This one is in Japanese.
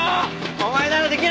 お前ならできる！